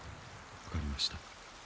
分かりました。